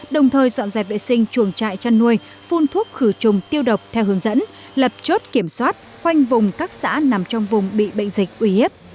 đồng thời dọn dẹp vệ sinh chuồng trại chăn nuôi phun thuốc khử trùng tiêu độc theo hướng dẫn lập chốt kiểm soát khoanh vùng các xã nằm trong vùng bị bệnh dịch uy hiếp